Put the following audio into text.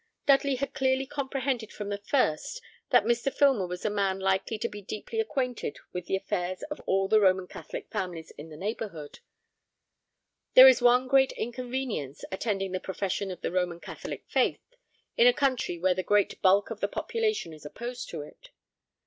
Dudley had clearly comprehended from the first that Mr. Filmer was a man likely to be deeply acquainted with the affairs of all the Roman Catholic families in the neighbourhood. There is one great inconvenience attending the profession of the Roman Catholic faith, in a country where the great bulk of the population is opposed to it.